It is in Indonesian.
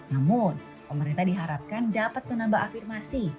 namun pemerintah diharapkan dapat menambah afirmasi